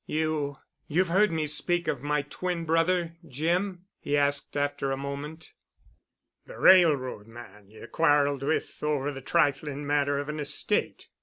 "You—you've heard me speak of my twin brother, Jim?" he asked after a moment. "The railroad man ye quarreled with over the trifling matter of an estate.